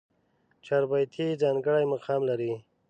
چاربېتې ځانګړی مقام لري.